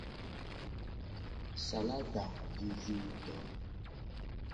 Salada vivi nguto.